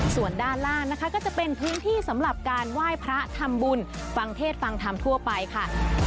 ส่วนด้านล่างนะคะก็จะเป็นพื้นที่สำหรับการไหว้พระทำบุญฟังเทศฟังธรรมทั่วไปค่ะ